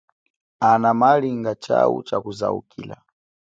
Ana malinga chau chakuzaukila.